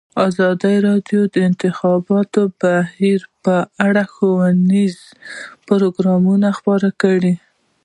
ازادي راډیو د د انتخاباتو بهیر په اړه ښوونیز پروګرامونه خپاره کړي.